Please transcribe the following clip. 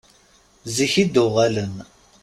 Zik i d-uɣalen.